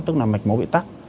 tức là mạch máu bị tắt